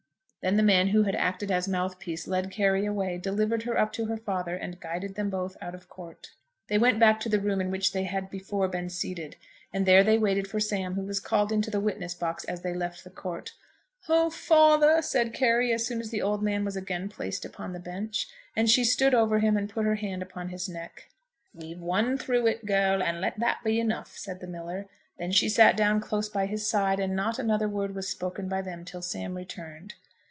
Then the man who had acted as mouthpiece led Carry away, delivered her up to her father, and guided them both out of court. They went back to the room in which they had before been seated, and there they waited for Sam, who was called into the witness box as they left the court. "Oh, father," said Carry, as soon as the old man was again placed upon the bench. And she stood over him, and put her hand upon his neck. "We've won through it, girl, and let that be enough," said the miller. Then she sat down close by his side, and not another word was spoken by them till Sam returned.